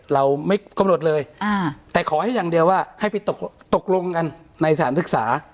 เราไม่กำหนดเลยแต่ขอให้อย่างเดียวว่าให้ไปตกลงกันในสถานศึกษา